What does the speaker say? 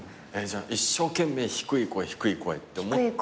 じゃあ一生懸命低い声低い声って思って。